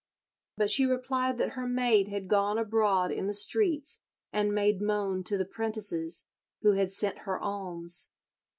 But she replied that her maid had gone abroad in the streets and made moan to the 'prentices, who had sent her alms.